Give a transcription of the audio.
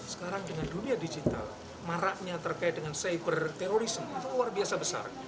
sekarang dengan dunia digital maraknya terkait dengan cyber terorisme itu luar biasa besar